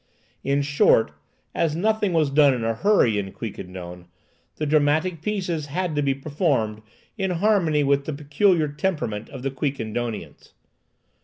In short, as nothing was done in a hurry at Quiquendone, the dramatic pieces had to be performed in harmony with the peculiar temperament of the Quiquendonians.